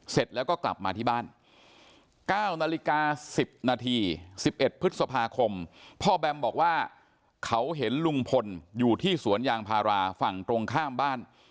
เสร็จแล้วก็กลับมาที่บ้าน๙นาฬิกา๑๐นาที๑๑พฤษภาคมพ่อแบมบอกว่าเขาเห็นลุงพลอยู่ที่สวนยางพาราฝั่งตรงข้ามบ้าน